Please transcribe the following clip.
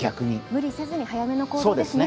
無理せずに早めの行動ですね。